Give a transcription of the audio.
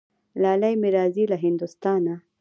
لالی مي راځي له هندوستانه